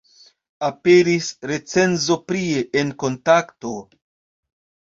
Aperis recenzo prie en Kontakto.